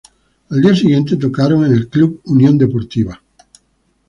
Al día siguiente tocaron en el Club Unión Deportivo.